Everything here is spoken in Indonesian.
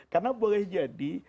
karena boleh jadi